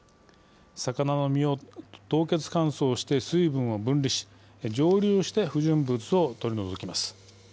魚の身を凍結乾燥して水分を分離し、蒸留して不純物を取り除きます。